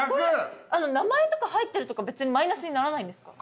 名前とか入ってるとか別にマイナスにならないんですか？